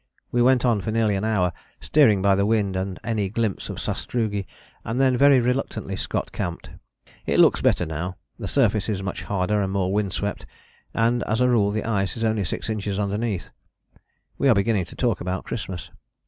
We went on for nearly an hour, steering by the wind and any glimpse of sastrugi, and then, very reluctantly, Scott camped. It looks better now. The surface is much harder and more wind swept, and as a rule the ice is only six inches underneath. We are beginning to talk about Christmas.